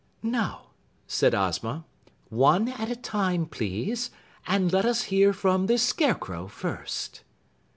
"Now!" said Ozma, "One at a time, please, and let us hear from the Scarecrow first."